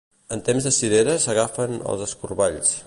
En temps de cireres s'agafen els escorballs.